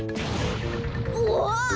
うわ。